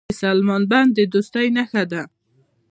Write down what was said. د سلما بند د دوستۍ نښه ده.